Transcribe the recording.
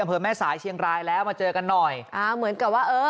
อำเภอแม่สายเชียงรายแล้วมาเจอกันหน่อยอ่าเหมือนกับว่าเออ